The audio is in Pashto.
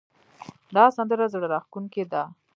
دا سندره زړه راښکونکې ده